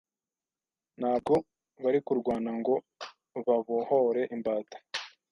Ntabwo bari kurwana ngo babohore imbata.